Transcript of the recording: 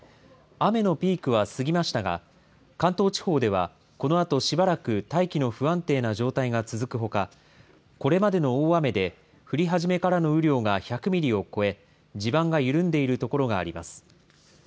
雨のピークは過ぎましたが、関東地方ではこのあとしばらく大気の不安定な状態が続くほか、これまでの大雨で降り始めからの雨量が１００ミリを超え、地盤が緩んでいる所があります。